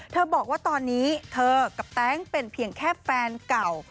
บอกว่าตอนนี้เธอกับแต๊งเป็นเพียงแค่แฟนเก่า